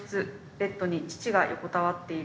ベッドに父が横たわっている。